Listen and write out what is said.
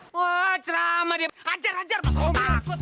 wah ceramah dia ajar ajar pas lo takut